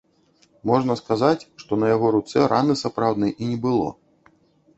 Можна сказаць, што на яго руцэ раны сапраўднай і не было.